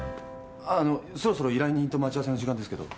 あのそろそろ依頼人と待ち合わせの時間ですけど。